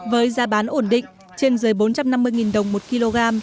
với giá bán ổn định trên dưới bốn trăm năm mươi đồng một kg